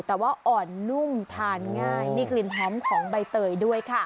แต่ว่าอ่อนนุ่มทานง่ายมีกลิ่นหอมของใบเตยด้วยค่ะ